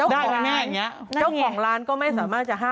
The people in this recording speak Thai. มาตรการเจ้าของร้านเจ้าของร้านก็ไม่สามารถห้ามได้